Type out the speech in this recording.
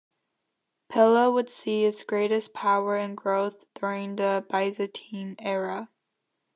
Pella would see its greatest power and growth during the Byzantine era.